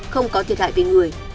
không có thiệt hại về người